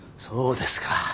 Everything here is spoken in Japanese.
そうですか。